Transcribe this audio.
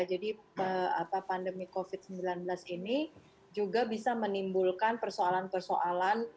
jadi pandemi covid sembilan belas ini juga bisa menimbulkan persoalan persoalan